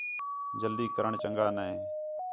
جلدی کرݨ چنڳا نے